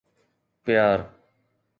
پيار